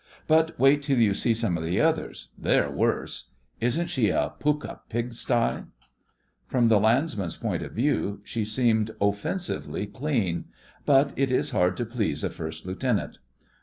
But wait till you see some of the others. They're worse. Isn't she a pukka pigsty?' From the landsman's point of view she seemed offensively clean, but it is hard to please a First Lieutenant.